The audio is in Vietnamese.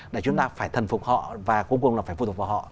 để chúng ta phải thần phục họ và cuối cùng là phải phụ thuộc vào họ